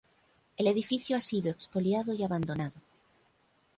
El edificio ha sido expoliado y abandonado.